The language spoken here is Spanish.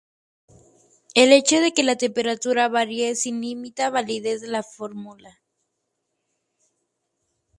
El hecho de que la temperatura varíe sí limita validez de la fórmula.